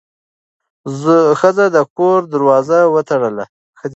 ښځه د کور دروازه وتړله.